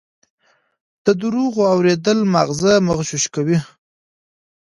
د دروغو اورېدل ماغزه مغشوش کوي.